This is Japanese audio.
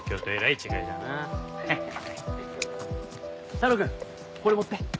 太郎くんこれ持って。